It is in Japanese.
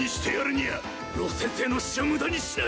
老先生の死を無駄にしない。